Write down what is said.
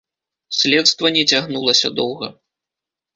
Следства не цягнулася доўга.